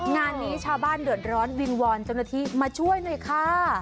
งานนี้ชาวบ้านเดือดร้อนวินวรจำนวนไทยมาช่วยหน่อยค่ะ